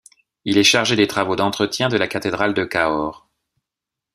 Il est chargé des travaux d'entretien de la cathédrale de Cahors.